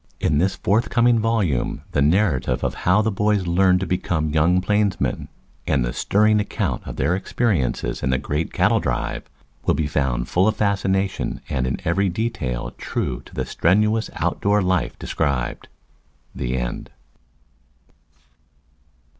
In this forthcoming volume the narrative of how the boys learned to become young plainsmen, and the stirring account of their experiences in the great cattle drive, will be found full of fascination and in every detail true to the strenuous out door life described. THE END.